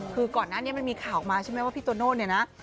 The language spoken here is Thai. คือก่อนหน้านี้มันมีข่าวออกมาใช่ไหมว่าพี่โตโน่เนี่ยนะ